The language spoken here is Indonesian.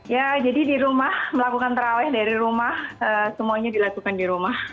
ya jadi di rumah melakukan terawih dari rumah semuanya dilakukan di rumah